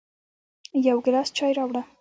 يو ګیلاس چای راوړه